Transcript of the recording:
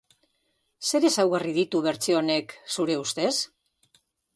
Zer ezaugarri ditu bertsio honek, zure ustez?